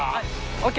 ＯＫ。